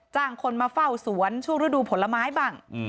จ้างคนมาเฝ้าสวนช่วงฤดูผลไม้บ้าง